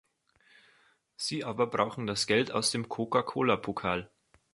Sie aber brauchen das Geld aus dem Coca-Cola-Pokal.